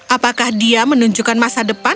apakah dia menunjukkan masa depan